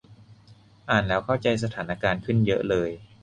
อ่านแล้วเข้าใจสถานการณ์ขึ้นเยอะเลย